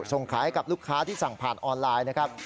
ส่งขายให้กับลูกค้าที่สั่งผ่านออนไลน์นะครับ